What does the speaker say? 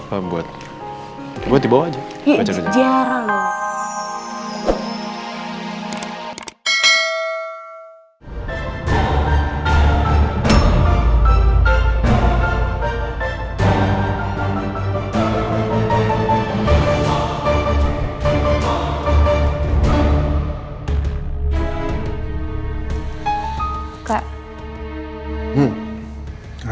aku butuh bantuan